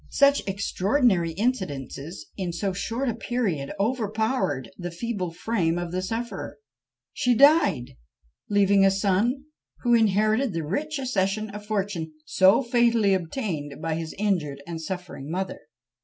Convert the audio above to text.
Such extraordinary incidents in so short a period overpowered the feeble frame of the sufferer; she died leaving a son, who inherited the rich accession of fortune so fatally obtained by his injured and suffering mother.